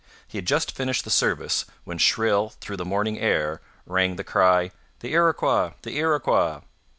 He had just finished the service, when shrill through the morning air rang the cry: 'The Iroquois! The Iroquois!'